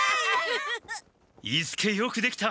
伊助よくできた！